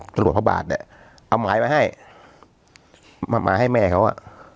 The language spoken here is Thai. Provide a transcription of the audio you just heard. ตรวจพระบาทเนี่ยเอาหมายมาให้มาให้แม่เขาอ่ะ